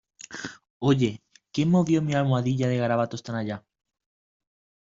Oye, ¿ quién movió mi almohadilla de garabatos tan allá?